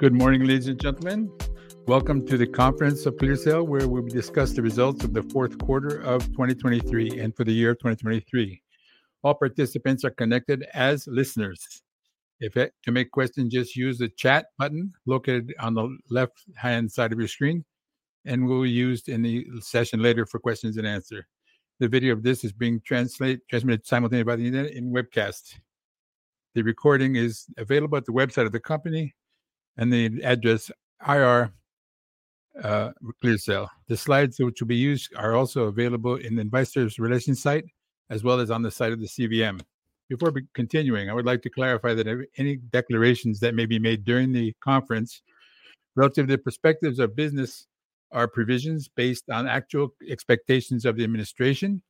Good morning, ladies and gentlemen. Welcome to the conference of ClearSale, where we'll discuss the results of the fourth quarter of 2023 and for the year of 2023. All participants are connected as listeners. If to make questions, just use the chat button located on the left-hand side of your screen, and will be used in the session later for questions and answer. The video of this is being transmitted simultaneously via the internet in webcast. The recording is available at the website of the company, and the address ir.clearsale.com.br. The slides which will be used are also available in the Investors Relations site, as well as on the site of the CVM. Before continuing, I would like to clarify that any declarations that may be made during the conference relative to the perspectives of business are provisions based on actual expectations of the administration,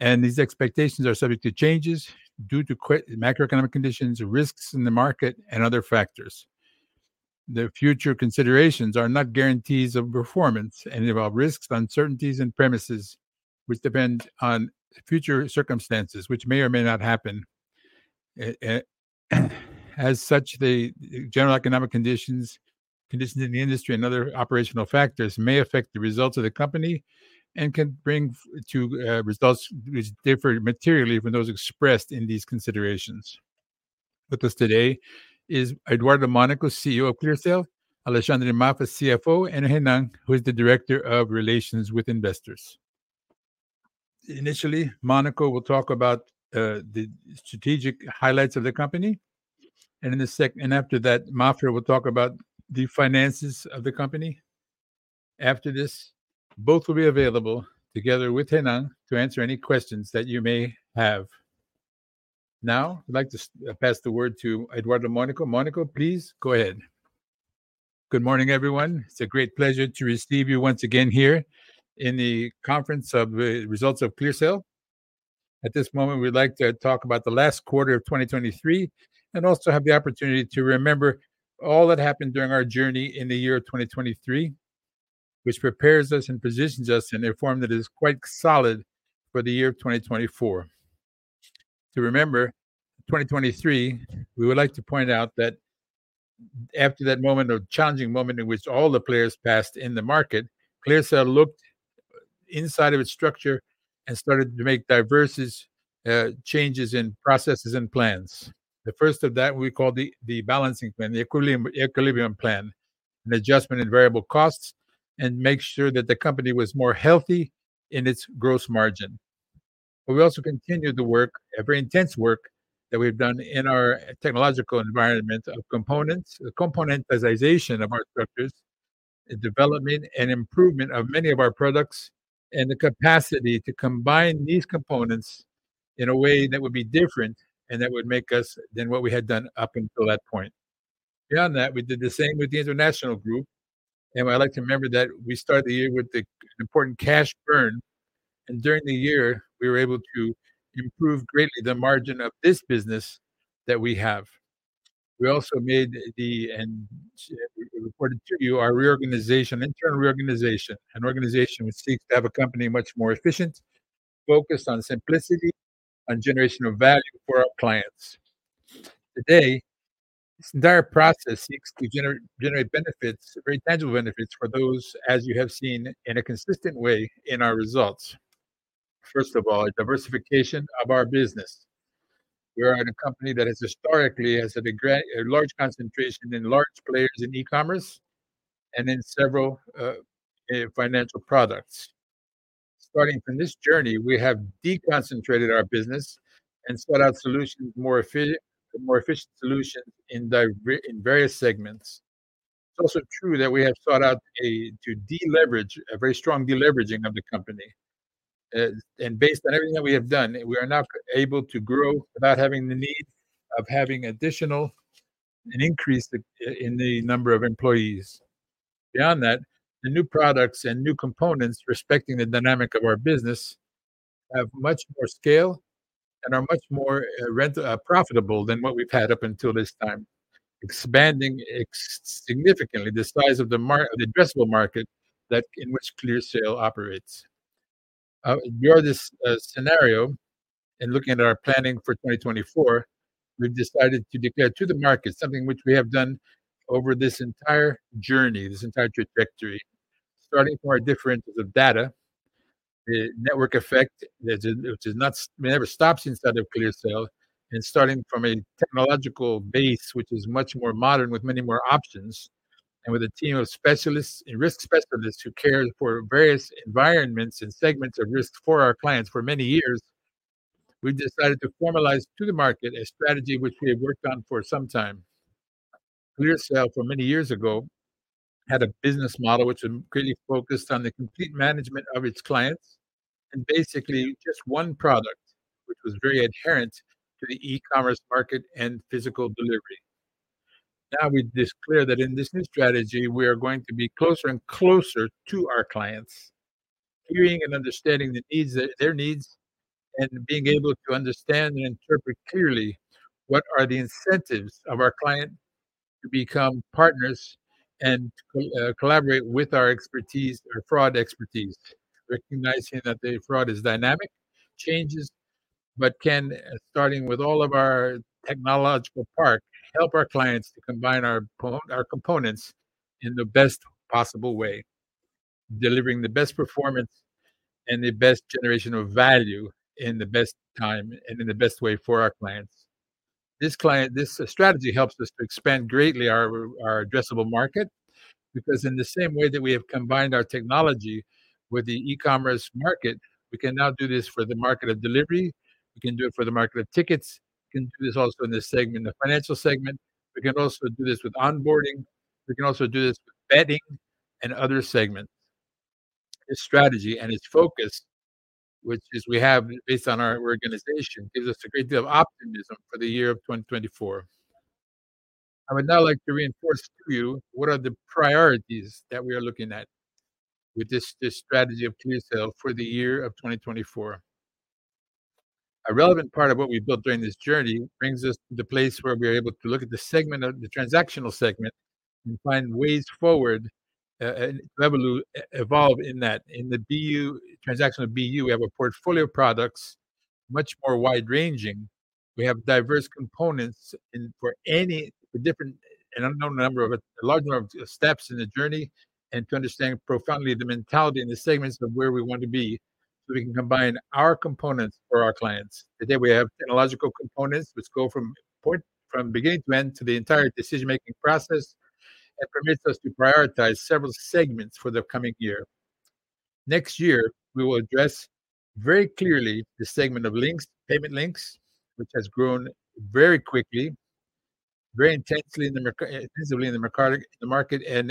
and these expectations are subject to changes due to macroeconomic conditions, risks in the market, and other factors. The future considerations are not guarantees of performance and involve risks, uncertainties and premises which depend on future circumstances, which may or may not happen. As such, the general economic conditions, conditions in the industry, and other operational factors may affect the results of the company and can bring results which differ materially from those expressed in these considerations. With us today is Eduardo Mônaco, CEO of ClearSale, Alexandre Mafra, CFO, and Renan, who is the Director of Investor Relations. Initially, Monaco will talk about the strategic highlights of the company, and after that, Mafra will talk about the finances of the company. After this, both will be available, together with Renan, to answer any questions that you may have. Now, I'd like to pass the word to Eduardo Mônaco. Mônaco, please, go ahead. Good morning, everyone. It's a great pleasure to receive you once again here in the conference of the results of ClearSale. At this moment, we'd like to talk about the last quarter of 2023, and also have the opportunity to remember all that happened during our journey in the year of 2023, which prepares us and positions us in a form that is quite solid for the year of 2024. To remember 2023, we would like to point out that after that moment of... challenging moment in which all the players passed in the market. ClearSale looked inside of its structure and started to make diverse changes in processes and plans. The first of that we call the balancing plan, the equilibrium plan, an adjustment in variable costs, and make sure that the company was more healthy in its gross margin. But we also continued the work, a very intense work, that we've done in our technological environment of components, the componentization of our structures, the development and improvement of many of our products, and the capacity to combine these components in a way that would be different and that would make us than what we had done up until that point. Beyond that, we did the same with the international group, and I'd like to remember that we started the year with the important cash burn, and during the year, we were able to improve greatly the margin of this business that we have. We also made the, and reported to you, our reorganization, internal reorganization, an organization which seeks to have a company much more efficient, focused on simplicity and generation of value for our clients. Today, this entire process seeks to generate benefits, very tangible benefits for those, as you have seen, in a consistent way in our results. First of all, diversification of our business. We are in a company that has historically a large concentration in large players in e-commerce and in several financial products. Starting from this journey, we have deconcentrated our business and sought out solutions, more efficient solutions in various segments. It's also true that we have sought out to deleverage, a very strong deleveraging of the company. And based on everything that we have done, we are now able to grow without having the need of having additional an increase in the number of employees. Beyond that, the new products and new components respecting the dynamic of our business have much more scale and are much more profitable than what we've had up until this time, expanding significantly the size of the addressable market in which ClearSale operates. Beyond this scenario, in looking at our planning for 2024, we've decided to declare to the market something which we have done over this entire journey, this entire trajectory, starting from our differences of data, the network effect, that which is not, never stops inside of ClearSale, and starting from a technological base, which is much more modern, with many more options, and with a team of specialists and risk specialists who care for various environments and segments of risk for our clients for many years, we've decided to formalize to the market a strategy which we have worked on for some time. ClearSale, for many years ago, had a business model which was really focused on the complete management of its clients, and basically just one product, which was very adherent to the e-commerce market and physical delivery. Now, we declare that in this new strategy, we are going to be closer and closer to our clients, hearing and understanding the needs, their needs, and being able to understand and interpret clearly what are the incentives of our client to become partners and collaborate with our expertise, our fraud expertise, recognizing that the fraud is dynamic, changes, but can, starting with all of our technological part, help our clients to combine our components in the best possible way, delivering the best performance and the best generation of value in the best time and in the best way for our clients. This strategy helps us to expand greatly our, our addressable market, because in the same way that we have combined our technology with the e-commerce market, we can now do this for the market of delivery, we can do it for the market of tickets, we can do this also in this segment, the financial segment. We can also do this with onboarding, we can also do this with betting and other segments. This strategy and its focus, which is we have based on our organization, gives us a great deal of optimism for the year of 2024. I would now like to reinforce to you what are the priorities that we are looking at with this, this strategy of ClearSale for the year of 2024. A relevant part of what we built during this journey brings us to the place where we are able to look at the segment of the Transactional segment and find ways forward, and able to evolve in that. In the BU, Transactional BU, we have a portfolio of products, much more wide-ranging. We have diverse components and a large number of steps in the journey, and to understand profoundly the mentality and the segments of where we want to be, so we can combine our components for our clients. Today, we have technological components which go from beginning to end to the entire decision-making process, and permits us to prioritize several segments for the coming year. Next year, we will address very clearly the segment of links, payment links, which has grown very quickly, very intensely visibly in the market, in the market, and,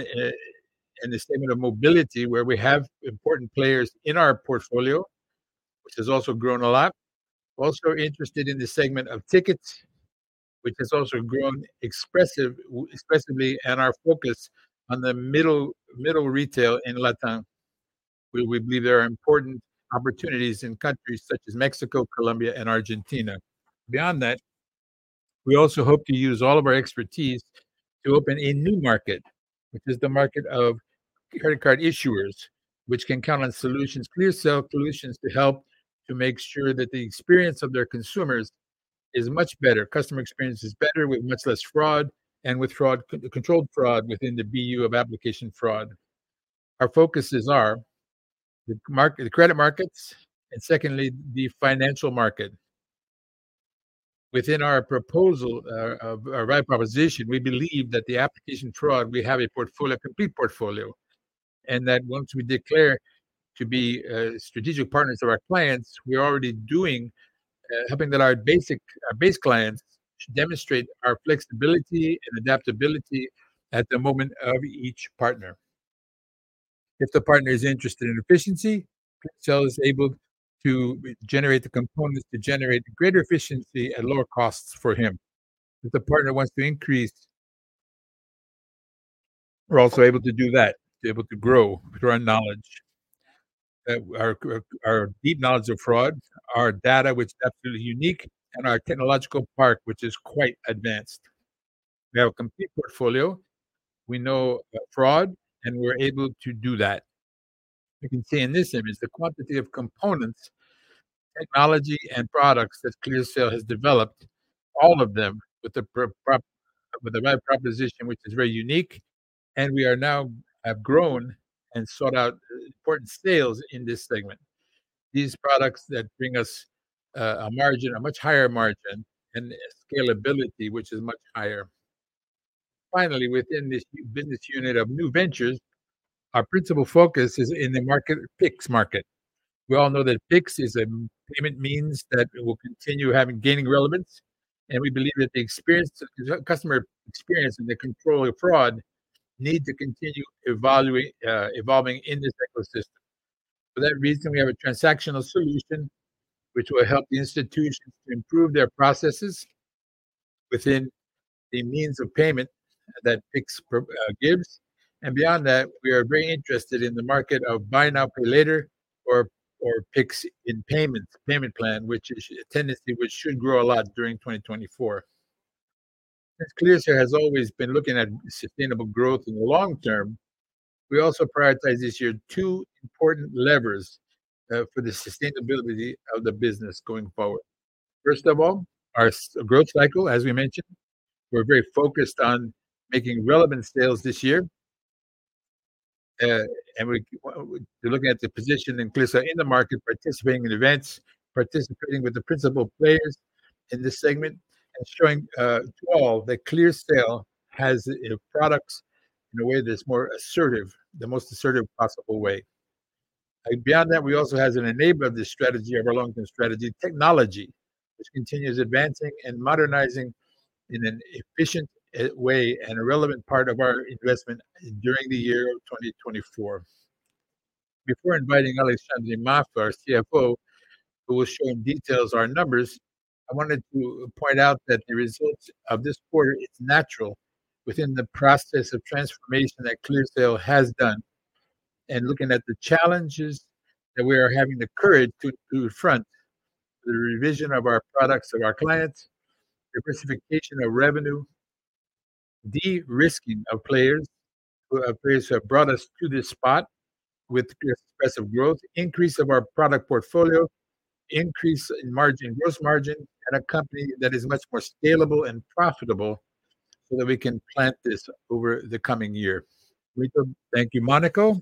and the segment of mobility, where we have important players in our portfolio, which has also grown a lot. Also interested in the segment of tickets, which has also grown expressively, and our focus on the middle retail in LATAM, where we believe there are important opportunities in countries such as Mexico, Colombia, and Argentina. Beyond that, we also hope to use all of our expertise to open a new market, which is the market of credit card issuers, which can count on solutions, ClearSale solutions, to help to make sure that the experience of their consumers is much better. Customer experience is better, with much less fraud, and with fraud, controlled fraud within the BU of Application Fraud. Our focuses are the market, the credit markets, and secondly, the financial market. Within our proposal of our right proposition, we believe that the Application Fraud, we have a portfolio, a complete portfolio, and that once we declare to be strategic partners of our clients, we are already doing helping that our basic, our base clients to demonstrate our flexibility and adaptability at the moment of each partner. If the partner is interested in efficiency, ClearSale is able to generate the components to generate greater efficiency at lower costs for him. If the partner wants to increase, we're also able to do that, to be able to grow with our knowledge, our deep knowledge of fraud, our data, which is absolutely unique, and our technological part, which is quite advanced. We have a complete portfolio, we know fraud, and we're able to do that. You can see in this image the quantity of components, technology, and products that ClearSale has developed, all of them with the right proposition, which is very unique, and we now have grown and sought out important sales in this segment. These products that bring us a margin, a much higher margin, and scalability, which is much higher. Finally, within this business unit of New Ventures, our principal focus is in the market, Pix market. We all know that Pix is a payment means that will continue having gaining relevance, and we believe that the experience, the customer experience and the control of fraud need to continue evaluate, evolving in this ecosystem. For that reason, we have a transactional solution which will help the institutions to improve their processes within the means of payment that Pix provides. Beyond that, we are very interested in the market of Buy Now, Pay Later, or, or Pix in payments, payment plan, which is a tendency which should grow a lot during 2024. As ClearSale has always been looking at sustainable growth in the long term, we also prioritize this year two important levers, for the sustainability of the business going forward. First of all, our growth cycle, as we mentioned, we're very focused on making relevant sales this year. And we're looking at the position in ClearSale in the market, participating in events, participating with the principal players in this segment, and showing to all that ClearSale has products in a way that's more assertive, the most assertive possible way. Beyond that, we also has an enabler of this strategy, of our long-term strategy, technology, which continues advancing and modernizing in an efficient way and a relevant part of our investment during the year of 2024. Before inviting Alexandre Mafra, our CFO, who will show in details our numbers, I wanted to point out that the results of this quarter, it's natural within the process of transformation that ClearSale has done. And looking at the challenges, that we are having the courage to front the revision of our products of our clients, the diversification of revenue-... De-risking of players, players have brought us to this spot with aggressive growth, increase of our product portfolio, increase in margin, gross margin, and a company that is much more scalable and profitable, so that we can plant this over the coming year. Thank you, Monaco.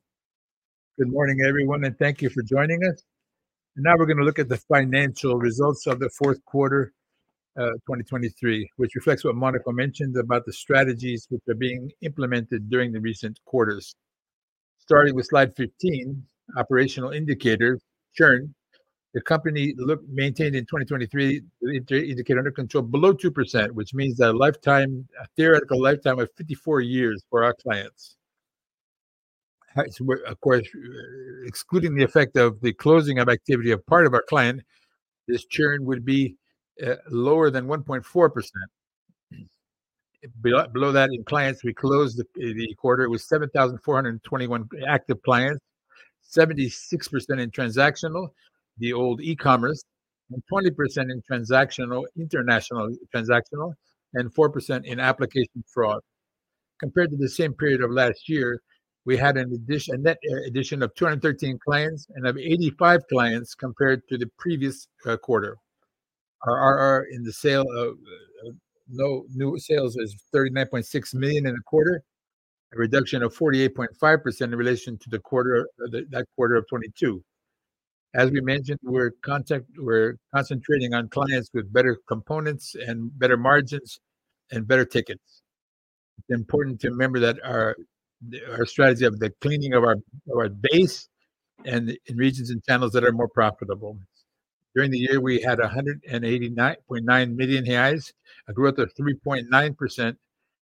Good morning, everyone, and thank you for joining us. Now we're going to look at the financial results of the fourth quarter, 2023, which reflects what Monaco mentioned about the strategies which are being implemented during the recent quarters. Starting with slide 15, operational indicator, churn. The company maintained in 2023, the indicator under control below 2%, which means that a lifetime, a theoretical lifetime of 54 years for our clients. Of course, excluding the effect of the closing of activity of part of our client, this churn would be, lower than 1.4%. Below that in clients, we closed the quarter with 7,421 active clients, 76% in transactional, the old e-commerce, and 20% in Transactional, International Transactional, and 4% in application fraud. Compared to the same period of last year, we had an addition, a net addition of 213 clients and of 85 clients compared to the previous quarter. Our ARR in the sale of new sales is 39.6 million in a quarter, a reduction of 48.5% in relation to the quarter, that quarter of 2022. As we mentioned, we're concentrating on clients with better components and better margins and better tickets. It's important to remember that our strategy of the cleaning of our base and in regions and channels that are more profitable. During the year, we had 189.9 million reais, a growth of 3.9%,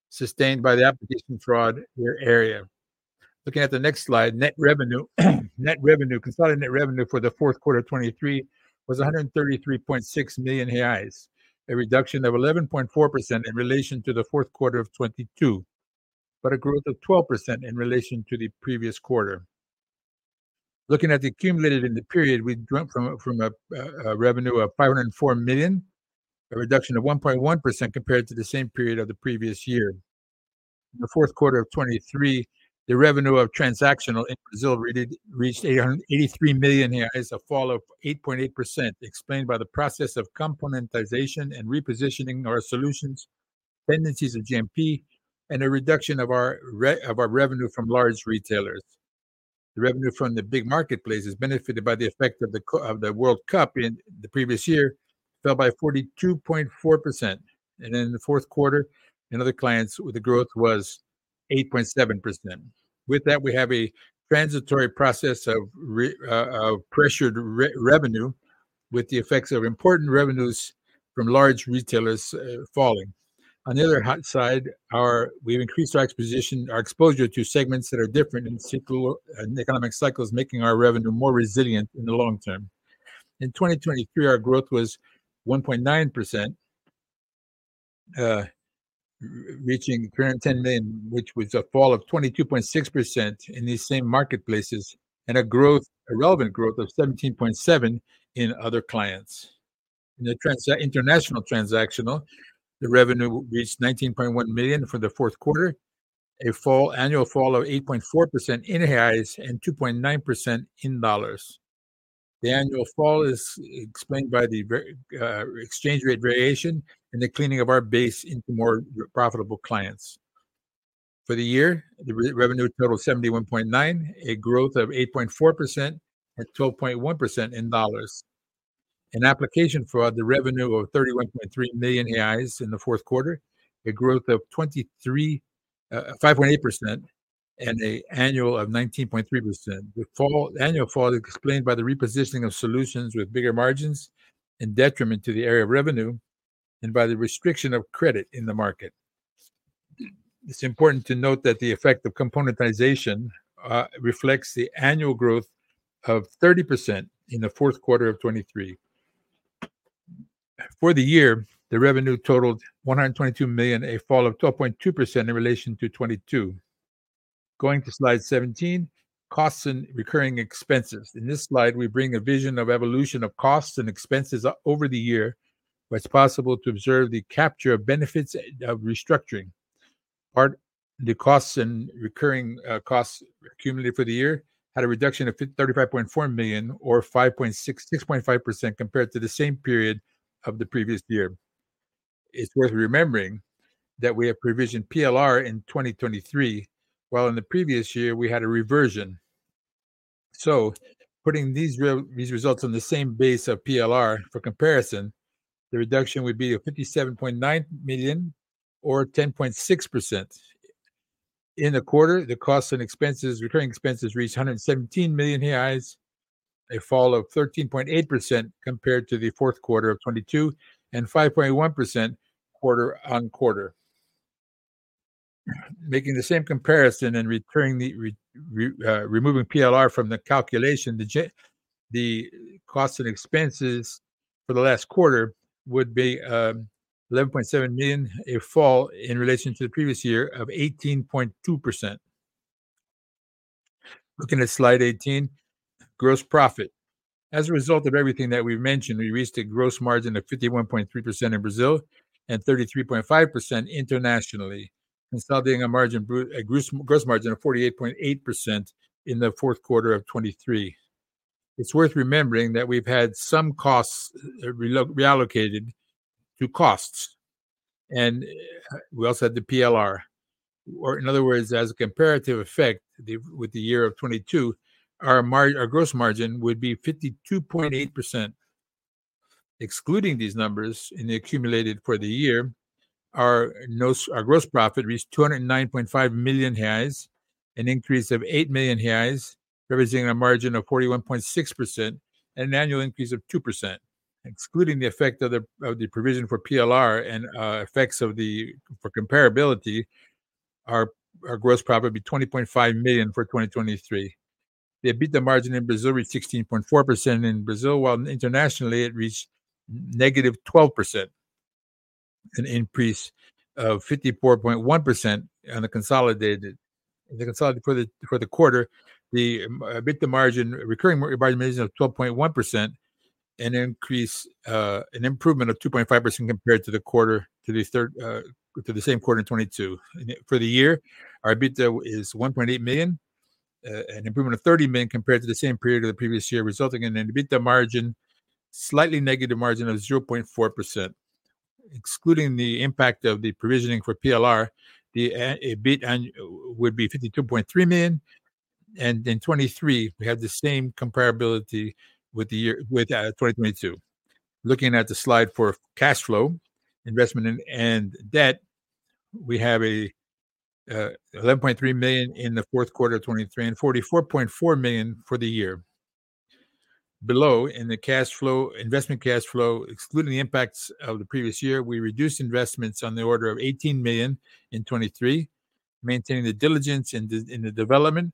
sustained by the application fraud area. Looking at the next slide, net revenue. Net revenue, consolidated net revenue for the fourth quarter of 2023 was 133.6 million reais, a reduction of 11.4% in relation to the fourth quarter of 2022, but a growth of 12% in relation to the previous quarter. Looking at the accumulated in the period, we went from a revenue of 504 million, a reduction of 1.1% compared to the same period of the previous year. In the fourth quarter of 2023, the revenue of Transactional in Brazil reached 883 million, a fall of 8.8%, explained by the process of componentization and repositioning our solutions, tendencies of GMV, and a reduction of our revenue from large retailers. The revenue from the big marketplace is benefited by the effect of the World Cup in the previous year, fell by 42.4%, and in the fourth quarter, in other clients, the growth was 8.7%. With that, we have a transitory process of pressured revenue, with the effects of important revenues from large retailers falling. On the other hand, we've increased our exposure to segments that are different in cycle, and economic cycles, making our revenue more resilient in the long term. In 2023, our growth was 1.9%, reaching 10 million, which was a fall of 22.6% in these same marketplaces, and a growth, a relevant growth of 17.7% in other clients. In the international transactional, the revenue reached 19.1 million for the fourth quarter, an annual fall of 8.4% in reais and 2.9% in dollars. The annual fall is explained by the exchange rate variation and the cleaning of our base into more profitable clients. For the year, the revenue totaled 71.9 million, a growth of 8.4% and 12.1% in dollars. In Application Fraud, the revenue of 31.3 million reais in the fourth quarter, a growth of 23.58%, and an annual of 19.3%. The annual fall is explained by the repositioning of solutions with bigger margins in detriment to the area of revenue and by the restriction of credit in the market. It's important to note that the effect of componentization reflects the annual growth of 30% in the fourth quarter of 2023. For the year, the revenue totaled 122 million, a fall of 12.2% in relation to 2022. Going to slide 17, costs and recurring expenses. In this slide, we bring a vision of evolution of costs and expenses over the year, where it's possible to observe the capture of benefits of restructuring. The costs and recurring costs accumulated for the year had a reduction of 35.4 million, or 6.5% compared to the same period of the previous year. It's worth remembering that we have provisioned PLR in 2023, while in the previous year we had a reversion. So putting these results on the same base of PLR for comparison, the reduction would be 57.9 million or 10.6%. In the quarter, the costs and expenses, recurring expenses, reached 117 million reais, a fall of 13.8% compared to the fourth quarter of 2022, and 5.1% quarter-on-quarter. Making the same comparison and recurring the recurring, removing PLR from the calculation, the costs and expenses for the last quarter would be 11.7 million, a fall in relation to the previous year of 18.2%.... Looking at slide 18, gross profit. As a result of everything that we've mentioned, we reached a gross margin of 51.3% in Brazil, and 33.5% internationally, consolidating a margin a gross margin of 48.8% in the fourth quarter of 2023. It's worth remembering that we've had some costs, reallocated to costs, and we also had the PLR. Or in other words, as a comparative effect, with the year of 2022, our gross margin would be 52.8%. Excluding these numbers in the accumulated for the year, our gross profit reached 209.5 million reais, an increase of 8 million reais, representing a margin of 41.6% and an annual increase of 2%. Excluding the effect of the provision for PLR and effects of the for comparability, our gross profit would be 20.5 million for 2023. The EBITDA margin in Brazil reached 16.4% in Brazil, while internationally, it reached -12%, an increase of 54.1% on the consolidated. The consolidated for the quarter, the EBITDA margin, recurring EBITDA margin of 12.1%, an increase, an improvement of 2.5% compared to the quarter, to the third, to the same quarter in 2022. For the year, our EBITDA is 1.8 million, an improvement of 30 million compared to the same period of the previous year, resulting in an EBITDA margin, slightly negative margin of 0.4%. Excluding the impact of the provisioning for PLR, the EBITDA would be 52.3 million, and in 2023, we had the same comparability with the year, with 2022. Looking at the slide for cash flow, investment and debt, we have a 11.3 million in the fourth quarter of 2023, and 44.4 million for the year. Below, in the cash flow, investment cash flow, excluding the impacts of the previous year, we reduced investments on the order of 18 million in 2023, maintaining the diligence in the development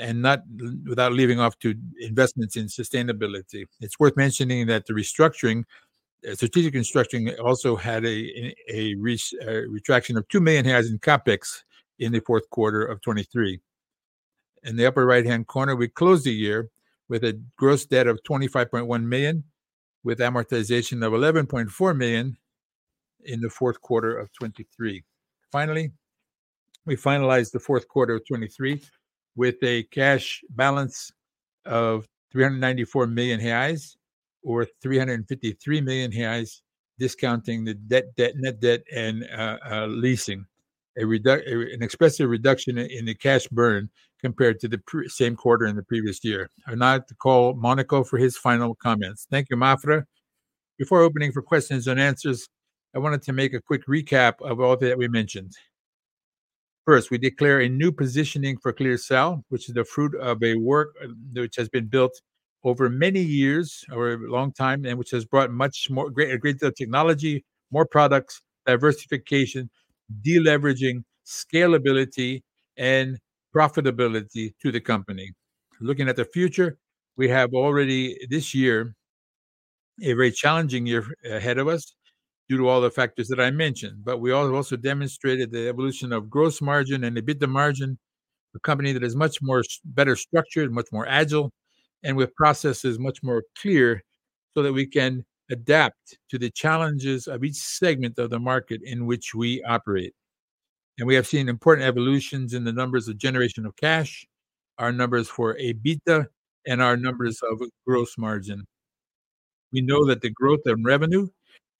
and not without leaving off to investments in sustainability. It's worth mentioning that the restructuring, strategic restructuring also had a retraction of 2 million reais in CapEx in the fourth quarter of 2023. In the upper right-hand corner, we closed the year with a gross debt of 25.1 million, with amortization of 11.4 million in the fourth quarter of 2023. Finally, we finalized the fourth quarter of 2023 with a cash balance of 394 million reais, or 353 million reais, discounting the net debt and leasing, an expressive reduction in the cash burn compared to the same quarter in the previous year. I would now like to call Mônaco for his final comments. Thank you, Mafra. Before opening for questions and answers, I wanted to make a quick recap of all that we mentioned. First, we declare a new positioning for ClearSale, which is the fruit of a work which has been built over many years, or a long time, and which has brought much more... great, a greater technology, more products, diversification, de-leveraging, scalability, and profitability to the company. Looking at the future, we have already this year, a very challenging year ahead of us due to all the factors that I mentioned. But we also demonstrated the evolution of gross margin and EBITDA margin, a company that is much more better structured, much more agile, and with processes much more clear, so that we can adapt to the challenges of each segment of the market in which we operate. And we have seen important evolutions in the numbers of generation of cash, our numbers for EBITDA, and our numbers of gross margin. We know that the growth in revenue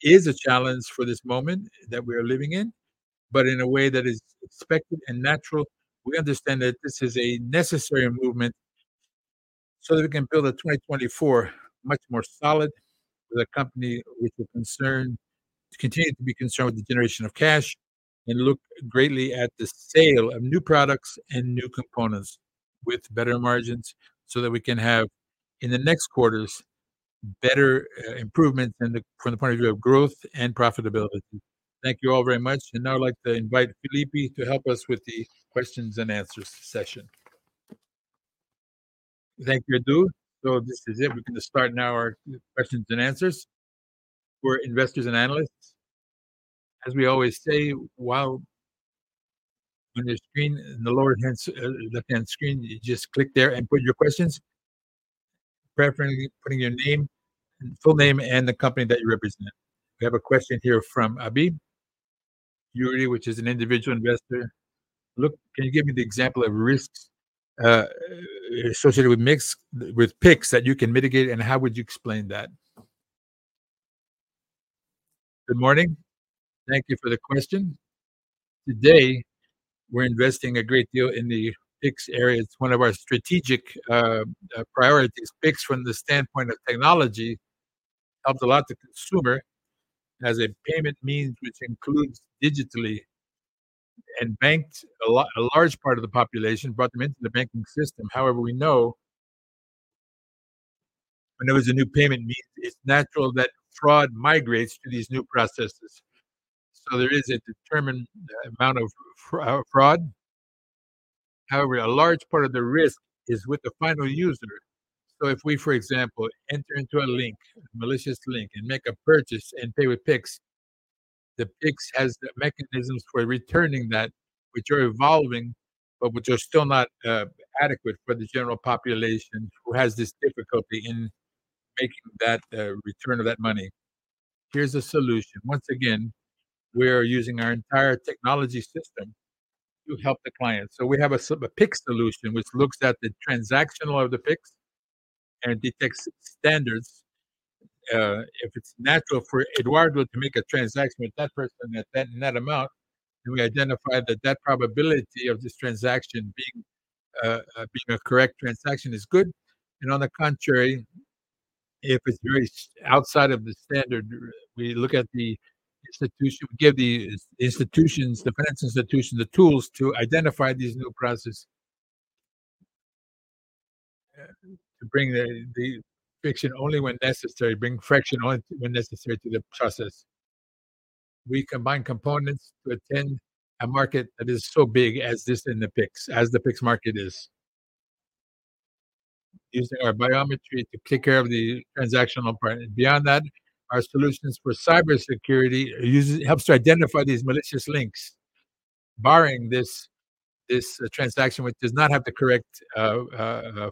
is a challenge for this moment that we are living in, but in a way that is expected and natural. We understand that this is a necessary movement so that we can build a 2024 much more solid, with a company which is concerned to continue to be concerned with the generation of cash, and look greatly at the sale of new products and new components with better margins, so that we can have, in the next quarters, better improvements than the, from the point of view of growth and profitability. Thank you all very much, and now I'd like to invite Felipe to help us with the questions and answers session. Thank you, Adu. So this is it. We're going to start now our questions and answers for investors and analysts. As we always say, while on your screen, in the lower left-hand screen, you just click there and put your questions, preferably putting your name, full name, and the company that you represent. We have a question here from AbnerYuri, which is an individual investor. "Look, can you give me the example of risks associated with Pix that you can mitigate, and how would you explain that?" Good morning. Thank you for the question. Today, we're investing a great deal in the Pix area. It's one of our strategic priorities. Pix, from the standpoint of technology, helps a lot the consumer as a payment means, which includes digitally and banked a large part of the population, brought them into the banking system. However, we know when there is a new payment means, it's natural that fraud migrates to these new processes. So there is a determined amount of fraud. However, a large part of the risk is with the final user. So if we, for example, enter into a link, malicious link, and make a purchase and pay with Pix, the Pix has the mechanisms for returning that, which are evolving, but which are still not adequate for the general population who has this difficulty in making that return of that money. Here's a solution. Once again, we are using our entire technology system to help the client. So we have a Pix solution, which looks at the transactional of the Pix and detects standards. If it's natural for Eduardo to make a transaction with that person at that amount, and we identify that probability of this transaction being a correct transaction is good. On the contrary, if it's very outside of the standard, we look at the institution. We give the institutions, the finance institution, the tools to identify these new process, to bring the friction only when necessary, bring friction when necessary to the process. We combine components to attend a market that is so big as this in the Pix, as the Pix market is. Using our biometry to take care of the transactional part. Beyond that, our solutions for cybersecurity uses helps to identify these malicious links, barring this transaction which does not have the correct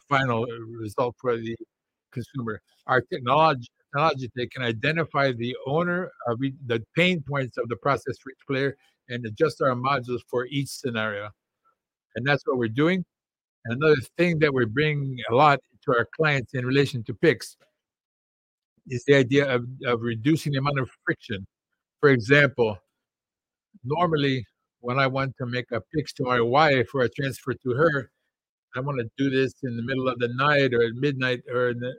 final result for the consumer. Our technology, they can identify the owner, the pain points of the process for each player and adjust our modules for each scenario, and that's what we're doing. Another thing that we're bringing a lot to our clients in relation to Pix is the idea of reducing the amount of friction. For example, normally, when I want to make a Pix to my wife or a transfer to her, I wanna do this in the middle of the night or at midnight, or in the...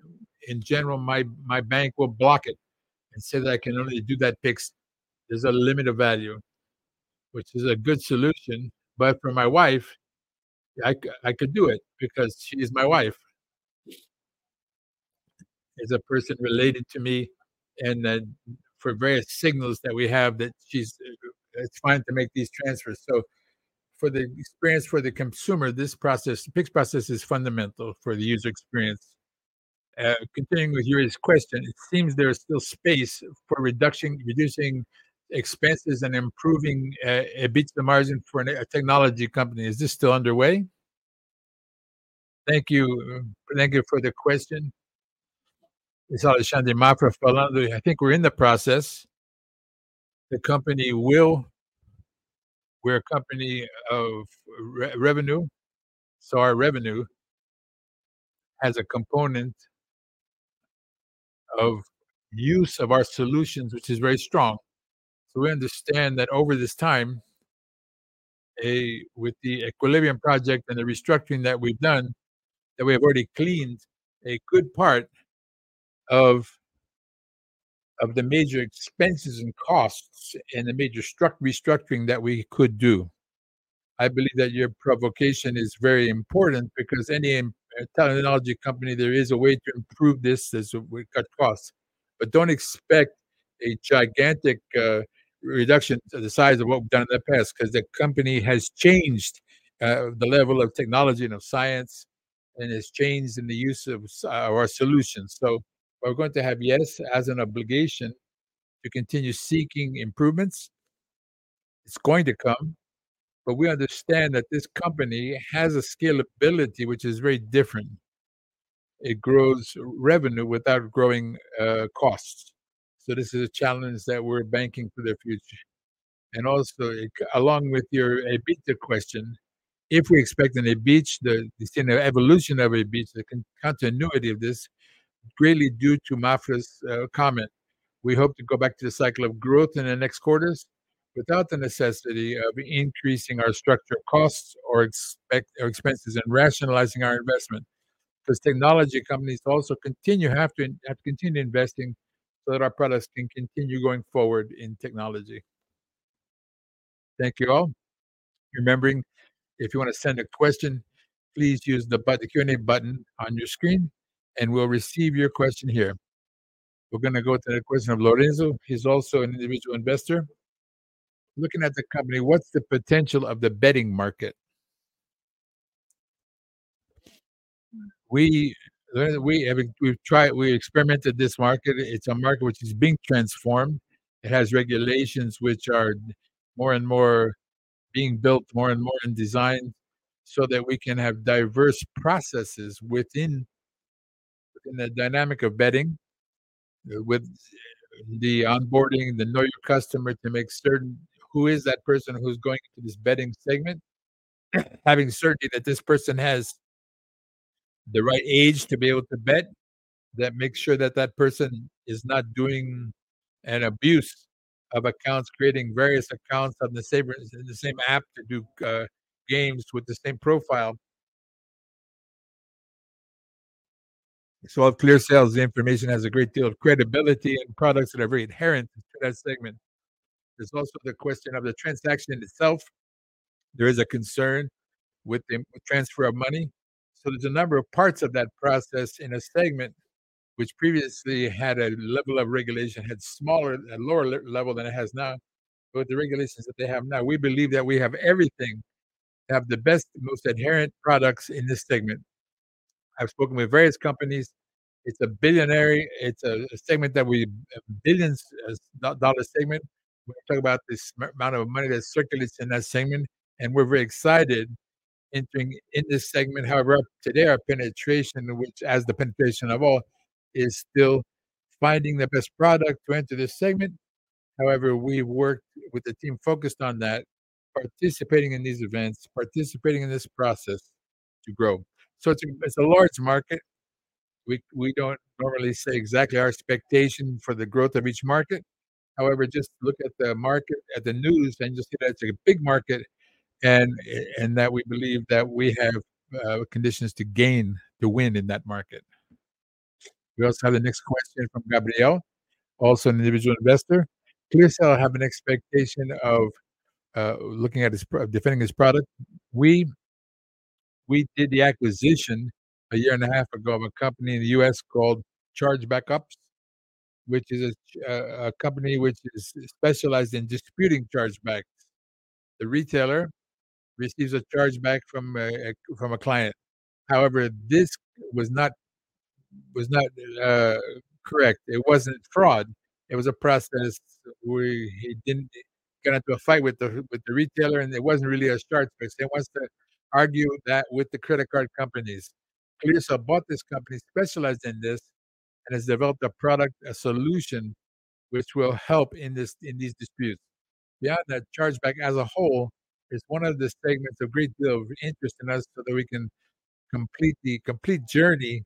In general, my bank will block it and say that I can only do that Pix. There's a limit of value, which is a good solution, but for my wife, I could do it because she is my wife. As a person related to me, and then for various signals that we have that she's... It's fine to make these transfers. So for the experience for the consumer, this process, Pix process, is fundamental for the user experience. Continuing with Yuri's question, it seems there is still space for reducing expenses and improving EBITDA margin for a technology company. Is this still underway? Thank you. Thank you for the question. It's Alexandre Mafra from London. I think we're in the process. The company will... We're a company of revenue, so our revenue has a component of use of our solutions, which is very strong. So we understand that over this time, with the equilibrium project and the restructuring that we've done, that we have already cleaned a good part of the major expenses and costs and the major restructuring that we could do. I believe that your provocation is very important because any technology company, there is a way to improve this as we cut costs. But don't expect a gigantic reduction to the size of what we've done in the past, 'cause the company has changed the level of technology and of science, and has changed in the use of our solutions. So we're going to have, yes, as an obligation to continue seeking improvements. It's going to come, but we understand that this company has a scalability, which is very different. It grows revenue without growing costs, so this is a challenge that we're banking for the future. And also, along with your EBITDA question, if we expect an EBITDA, the same evolution of EBITDA, the continuity of this, greatly due to Mafra's comment, we hope to go back to the cycle of growth in the next quarters without the necessity of increasing our structural costs or our expenses and rationalizing our investment. 'Cause technology companies also continue to have to continue investing so that our products can continue going forward in technology. Thank you, all. Remembering, if you wanna send a question, please use the Q&A button on your screen, and we'll receive your question here. We're gonna go to the question of Lorenzo. He's also an individual investor. "Looking at the company, what's the potential of the betting market?" We, we, we've tried, we experimented this market. It's a market which is being transformed. It has regulations which are more and more being built, more and more, and designed so that we can have diverse processes within, within the dynamic of betting, with the onboarding, the know your customer, to make certain who is that person who's going into this betting segment. Having certainty that this person has the right age to be able to bet, that makes sure that that person is not doing an abuse of accounts, creating various accounts on the same, in the same app to do games with the same profile. So of ClearSale, the information has a great deal of credibility and products that are very inherent to that segment. There's also the question of the transaction in itself. There is a concern with the transfer of money, so there's a number of parts of that process in a segment which previously had a level of regulation, had smaller and lower level than it has now. But the regulations that they have now, we believe that we have everything to have the best, most inherent products in this segment. I've spoken with various companies. It's a billion-dollar segment. We're talking about this amount of money that circulates in that segment, and we're very excited entering in this segment. However, up to today, our penetration, which, as the penetration of all, is still finding the best product to enter this segment. However, we've worked with the team focused on that, participating in these events, participating in this process to grow. So it's a large market. We, we don't normally say exactly our expectation for the growth of each market. However, just look at the market, at the news, and just see that it's a big market, and, and that we believe that we have conditions to gain the win in that market. We also have the next question from Gabrielle, also an individual investor. "ClearSale have an expectation of looking at this pro- defending this product?" We, we did the acquisition a year and a half ago of a company in the U.S. called ChargebackOps, which is a company which is specialized in disputing chargebacks. The retailer receives a chargeback from a from a client. However, this was not, was not correct. It wasn't fraud. It was a process where he didn't get into a fight with the with the retailer, and it wasn't really a chargeback. So he wants to argue that with the credit card companies. ClearSale bought this company specialized in this, and has developed a product, a solution, which will help in these disputes. Beyond that, chargeback as a whole is one of the segments of great deal of interest in us so that we can complete the journey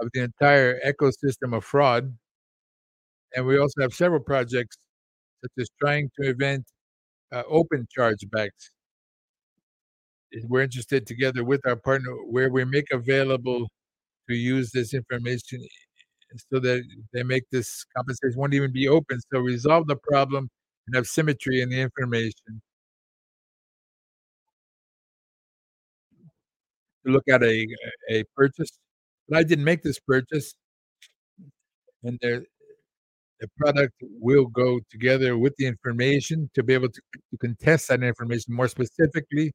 of the entire ecosystem of fraud, and we also have several projects, such as trying to prevent open chargebacks. We're interested together with our partner, where we make available to use this information so that they make this conversation won't even be open. So resolve the problem and have symmetry in the information. To look at a purchase, but I didn't make this purchase, and the product will go together with the information to be able to contest that information. More specifically,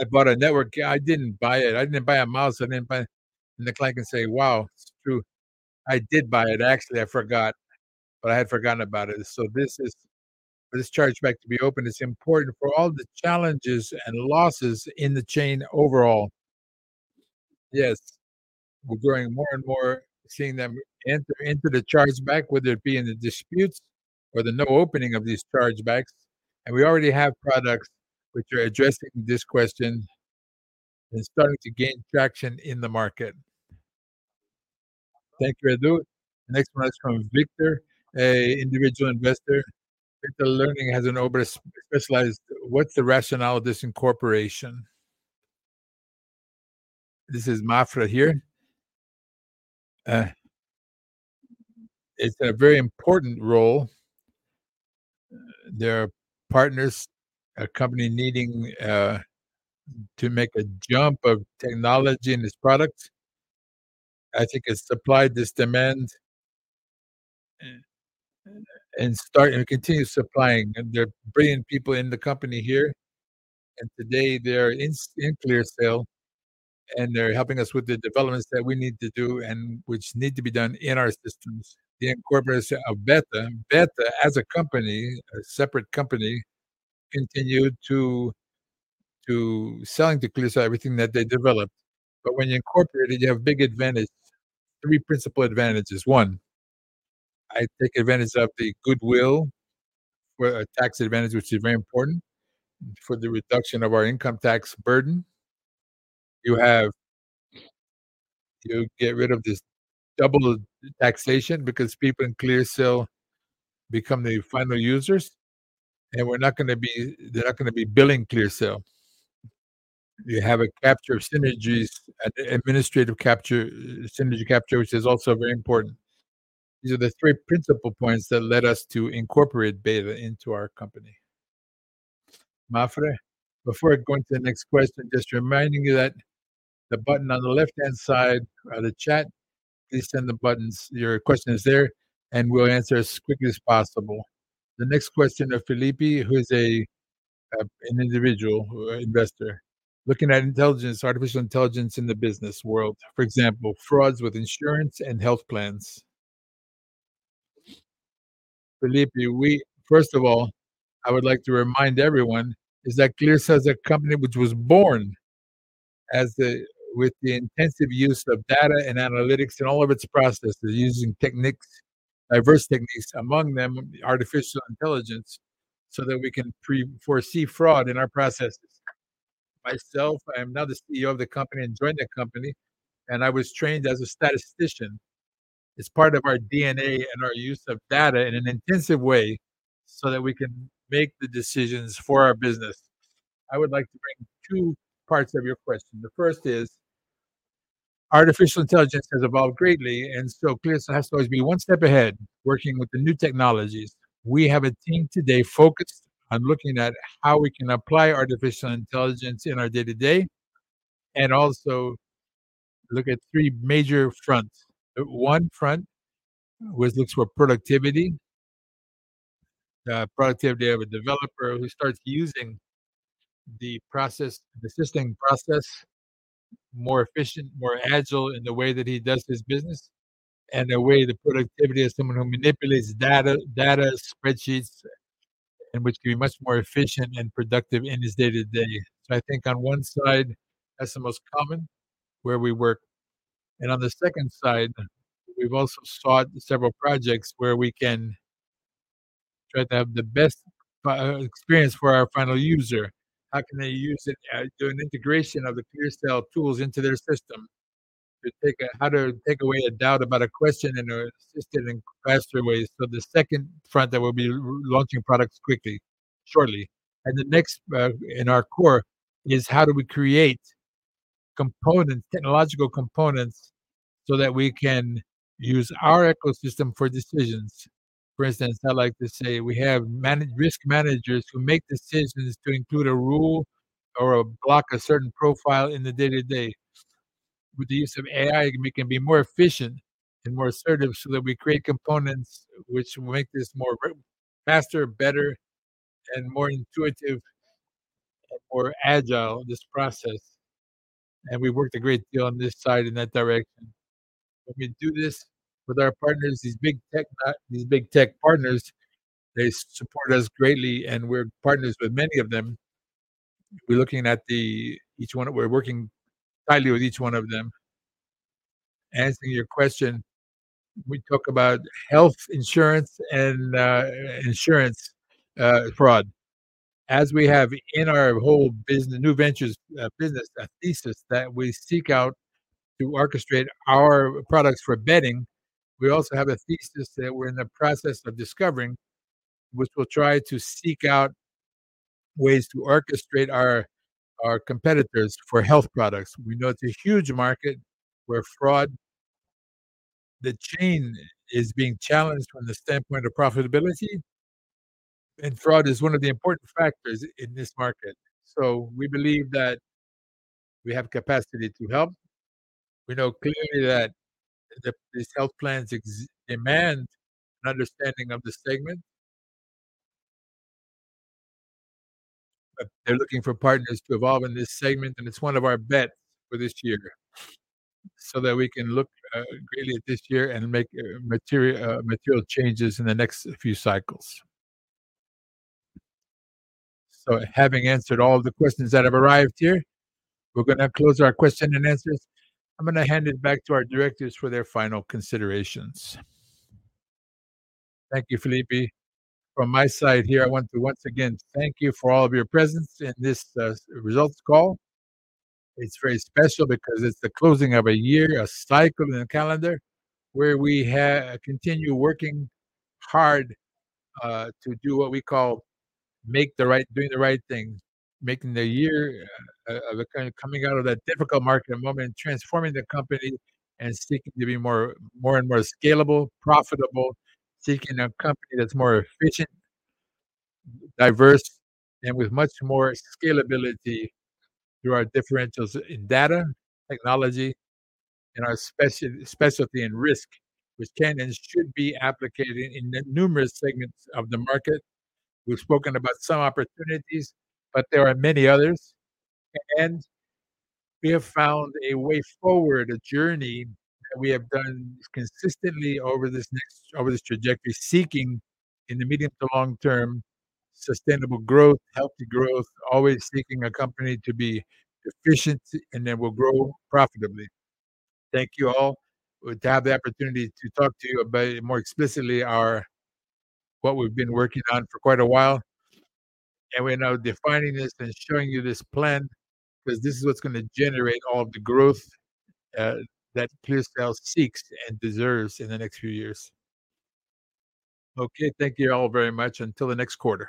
I bought a network... I didn't buy it. I didn't buy a mouse. I didn't buy... And the client can say, "Wow, it's true. I did buy it. Actually, I forgot, but I had forgotten about it." So this is for this chargeback to be open, it's important for all the challenges and losses in the chain overall. Yes, we're growing more and more, seeing them enter into the chargeback, whether it be in the disputes or the no opening of these chargebacks, and we already have products which are addressing this question and starting to gain traction in the market. Thank you, Edu. The next one is from Victor, an individual investor. "Beta Learning has an over specialized-- What's the rationale of this incorporation?" This is Mafra here. It's a very important role. There are partners, a company needing to make a jump of technology in this product. I think it's supplied this demand, and start and continue supplying, and they're bringing people in the company here, and today they're in ClearSale, and they're helping us with the developments that we need to do and which need to be done in our systems. The incorporation of Beta. Beta, as a company, a separate company, continued to selling to ClearSale everything that they developed. But when you incorporate it, you have big advantage. Three principal advantages. One, I take advantage of the goodwill for a tax advantage, which is very important for the reduction of our income tax burden. You have to get rid of this double taxation because people in ClearSale become the final users, and we're not gonna be, they're not gonna be billing ClearSale. You have a capture of synergies, an administrative capture, synergy capture, which is also very important. These are the three principal points that led us to incorporate Beta into our company. Mafra, before I go into the next question, just reminding you that the button on the left-hand side of the chat, please send the buttons your questions there, and we'll answer as quickly as possible. The next question of Felipe, who is an individual investor: "Looking at intelligence, artificial intelligence in the business world, for example, frauds with insurance and health plans." Felipe, first of all, I would like to remind everyone is that ClearSale is a company which was born as the with the intensive use of data and analytics in all of its processes, using techniques, diverse techniques, among them artificial intelligence, so that we can foresee fraud in our processes. Myself, I am now the CEO of the company and joined the company, and I was trained as a statistician. It's part of our DNA and our use of data in an intensive way so that we can make the decisions for our business. I would like to bring two parts of your question. The first is, artificial intelligence has evolved greatly, and so ClearSale has to always be one step ahead, working with the new technologies. We have a team today focused on looking at how we can apply artificial intelligence in our day-to-day, and also look at three major fronts. One front, which looks for productivity.... the productivity of a developer who starts using the process, the system process, more efficient, more agile in the way that he does his business, and the way the productivity of someone who manipulates data, data spreadsheets, and which can be much more efficient and productive in his day-to-day. So I think on one side, that's the most common where we work. And on the second side, we've also started several projects where we can try to have the best experience for our final user. How can they use it, do an integration of the ClearSale tools into their system? To take how to take away a doubt about a question in a assisted and faster way. So the second front, that we'll be launching products quickly, shortly. The next in our core is how do we create components, technological components, so that we can use our ecosystem for decisions? For instance, I like to say we have risk managers who make decisions to include a rule or block a certain profile in the day-to-day. With the use of AI, we can be more efficient and more assertive so that we create components which will make this more faster, better, and more intuitive, and more agile, this process. And we worked a great deal on this side in that direction. When we do this with our partners, these big tech partners, they support us greatly, and we're partners with many of them. We're looking at each one, we're working tightly with each one of them. Answering your question, we talk about health insurance and insurance fraud. As we have in our whole business, new ventures business, a thesis that we seek out to orchestrate our products for betting, we also have a thesis that we're in the process of discovering, which we'll try to seek out ways to orchestrate our competitors for health products. We know it's a huge market where fraud, the chain is being challenged from the standpoint of profitability, and fraud is one of the important factors in this market. So we believe that we have capacity to help. We know clearly that these health plans exist, demand an understanding of the segment. But they're looking for partners to evolve in this segment, and it's one of our bets for this year, so that we can look greatly at this year and make material changes in the next few cycles. So having answered all the questions that have arrived here, we're gonna close our question and answers. I'm gonna hand it back to our directors for their final considerations. Thank you, Felipe. From my side here, I want to once again thank you for all of your presence in this results call. It's very special because it's the closing of a year, a cycle in the calendar, where we continue working hard to do what we call make the right doing the right things, making the year kind of coming out of that difficult market moment, transforming the company, and seeking to be more, more and more scalable, profitable, seeking a company that's more efficient, diverse, and with much more scalability through our differentials in data, technology, and our specialty in risk, which can and should be applied in numerous segments of the market. We've spoken about some opportunities, but there are many others. We have found a way forward, a journey, that we have done consistently over this next- over this trajectory, seeking, in the medium to long term, sustainable growth, healthy growth, always seeking a company to be efficient, and that will grow profitably. Thank you all to have the opportunity to talk to you about it more explicitly, our... what we've been working on for quite a while. We're now defining this and showing you this plan, 'cause this is what's gonna generate all of the growth that ClearSale seeks and deserves in the next few years. Okay, thank you all very much. Until the next quarter.